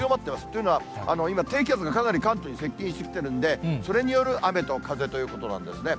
というのは、今、低気圧がかなり関東に接近してきてるんで、それによる雨と風ということなんですね。